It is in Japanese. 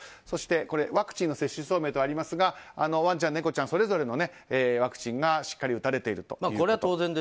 そしてワクチンの接種証明と書かれていますがワンちゃん猫ちゃんそれぞれのワクチンがしっかり打たれていること。